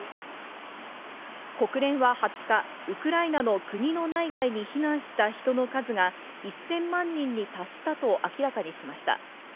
国連は２０日、ウクライナの国の内外に避難した人の数が１０００万人に達したと明らかにしました。